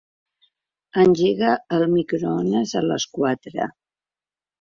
Engega el microones a les quatre.